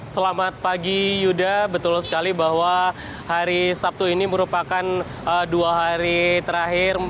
selamat pagi yuda betul sekali bahwa hari sabtu ini merupakan dua hari terakhir